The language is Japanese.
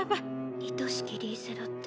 「いとしきリーゼロッテ。